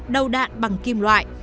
đầu đạn bằng kim lũ